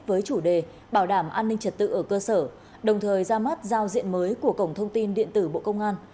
với chủ đề bảo đảm an ninh trật tự ở cơ sở đồng thời ra mắt giao diện mới của cổng thông tin điện tử bộ công an